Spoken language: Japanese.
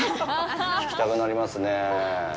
弾きたくなりますね。